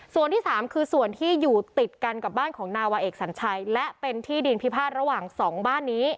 ส่วนที่สามคือส่วนที่อยู่ติดกันกับบ้านของนาวาเอกสัญชัยและเป็นที่ดินพิพาทระหว่างสองบ้านนี้